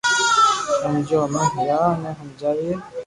ھمجيو ھمي يا ني ھمجاوي